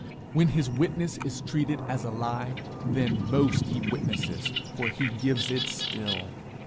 When his witness is treated as a lie, then most he witnesses, for he gives it still.